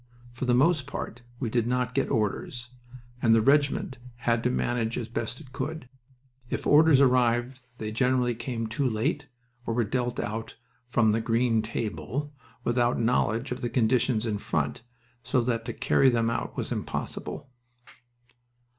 For the most part we did not get orders, and the regiment had to manage as best it could. If orders arrived they generally came too late or were dealt out 'from the green table' without knowledge of the conditions in front, so that to carry them out was impossible."